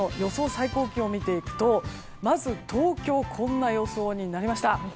最高気温を見ていくとまず東京こんな予想になりました。